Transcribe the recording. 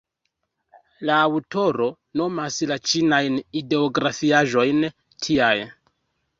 La aŭtoro nomas la ĉinajn ideografiaĵojn tiaj.